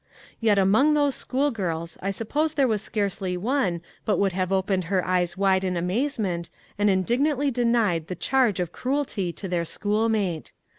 Yet among those school girls I suppose there was scarcely one but would have opened her eyes wide in amazement and indignantly denied the charge of cruelty to their schoolmate.